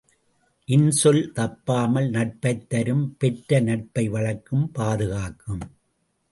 இன்சொல் தப்பாமல் நட்பைத் தரும் பெற்ற நட்பை வளர்க்கும் பாதுகாக்கும்.